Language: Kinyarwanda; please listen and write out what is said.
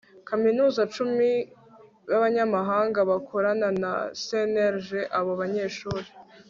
Kaminuza icumi b abanyamahanga bakorana na CNLG Abo banyeshuri